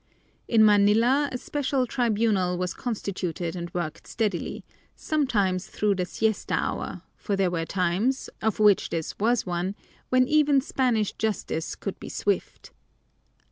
In Manila a special tribunal was constituted and worked steadily, sometimes through the siesta hour, for there were times, of which this was one, when even Spanish justice could be swift.